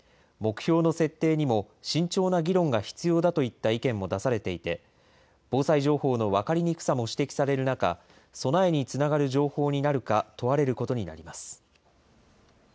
目標の設定にも慎重な議論が必要だといった意見も出されていて、防災情報の分かりにくさも指摘される中、備えにつながる情報にな